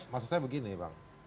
maksud saya begini bang